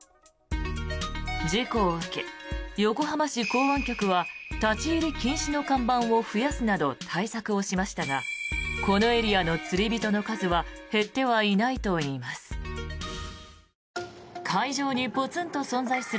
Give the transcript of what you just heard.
事故を受け、横浜市港湾局は立ち入り禁止の看板を増やすなど対策をしましたがこのエリアの釣り人の数は減ってはいないといいます。